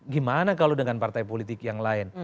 gimana kalau dengan partai politik yang lain